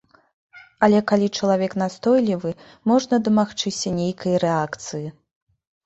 Але калі чалавек настойлівы, можна дамагчыся нейкай рэакцыі.